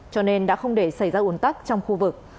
cho nên đã không để xảy ra uốn tắc trong khu vực